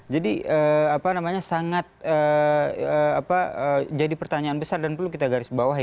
jadi sangat jadi pertanyaan besar dan perlu kita garis bawahi